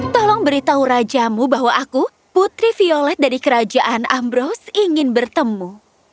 tolong beritahu rajamu bahwa aku putri violet dari kerajaan ambros ingin bertemu